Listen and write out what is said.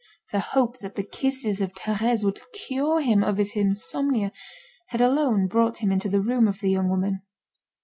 The hope that the kisses of Thérèse would cure him of his insomnia, had alone brought him into the room of the young woman.